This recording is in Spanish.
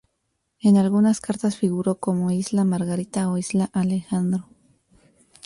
En algunas cartas figuró como "isla Margarita" o "isla Alejandro".